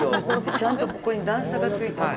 ちゃんとここに段差がついてる。